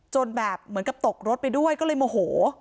แบบเหมือนกับตกรถไปด้วยก็เลยโมโห